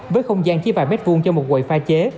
với không gian chỉ vài mét vuông cho một quầy pha chế